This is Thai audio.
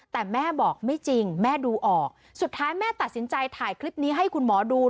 แต่แม่บอกไม่จริงแม่ดูออกสุดท้ายแม่ตัดสินใจถ่ายคลิปนี้ให้คุณหมอดู